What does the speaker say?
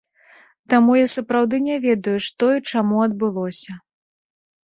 Таму я сапраўды не ведаю, што і чаму адбылося.